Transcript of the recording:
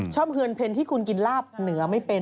เฮือนเพ็ญที่คุณกินลาบเหนือไม่เป็น